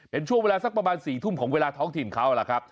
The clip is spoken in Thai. เป็นช่วงเวลาสักประมาณ๔ทุ่มของเวลาท้องถิ่นเขาล่ะครับ